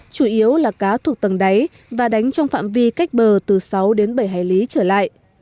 chủ yếu là cá thuộc tầng đáy và đánh trong phạm vi cách bờ từ sáu đến bảy hải lý trở lại